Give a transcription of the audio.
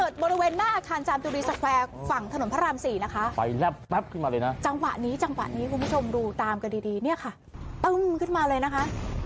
เฉศการจำจุดีสแฟวแฟวฝั่งถนนพระราม๔นะคะใกล้แล้วแป๊บขึ้นมาเลยเนอะจังหวะนี้จังหวะนี้คุณผู้ชมดูตามกันดีเนี่ยค่ะปึ้มขึ้นมาเลยนะคะ